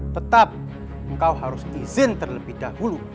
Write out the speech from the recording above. tetap engkau harus izin terlebih dahulu